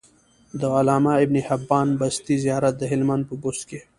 د علامه ابن حبان بستي زيارت د هلمند په بست کی